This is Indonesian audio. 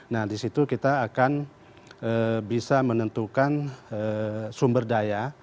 nah di situ kita akan bisa menentukan sumber daya